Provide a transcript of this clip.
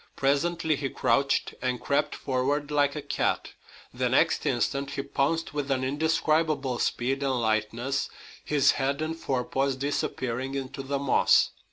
Presently he crouched and crept forward like a cat. The next instant he pounced with an indescribable speed and lightness, his head and forepaws disappearing into the moss.